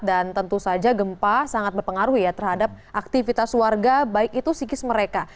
dan tentu saja gempa sangat berpengaruh ya terhadap aktivitas warga baik itu sikis mereka